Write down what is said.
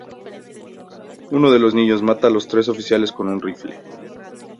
Uno de los niños mata a los tres oficiales con un rifle.